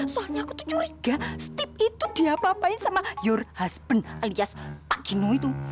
soalnya aku tuh curiga steve itu diapa apain sama your husband alias pak gino itu